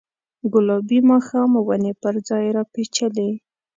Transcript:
ګلابي ماښام ونې پر ځان راپیچلې